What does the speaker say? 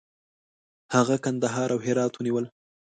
هغه کندهار او هرات ونیول.